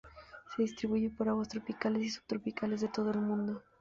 Se distribuye por aguas tropicales y subtropicales de todo el mundo.